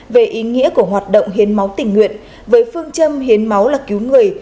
về ý nghĩa của hoạt động hiến máu tình nguyện với phương châm hiến máu là cứu người